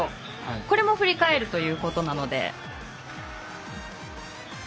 これも振り返るということなので。